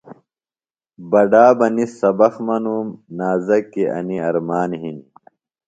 بڈا بہ ِنس سبق منُوم۔ نازکیۡ انیۡ ارمان ہِنیۡ